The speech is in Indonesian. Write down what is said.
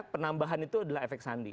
penambahan itu adalah efek sandi